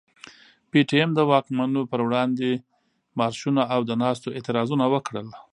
پي ټي ايم د واکمنو پر وړاندي مارشونه او د ناستو اعتراضونه وکړل.